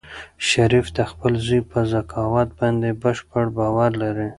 شریف د خپل زوی په ذکاوت باندې بشپړ باور لري.